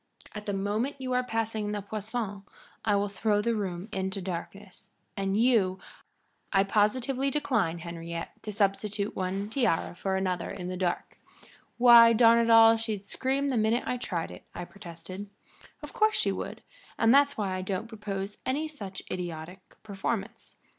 At the moment you are passing the poisson I will throw the room into darkness, and you " "I positively decline, Henriette, to substitute one tiara for another in the dark. Why, darn it all, she'd scream the minute I tried it," I protested. "Of course she would," said she, impatiently. "And that is why I don't propose any such idiotic performance.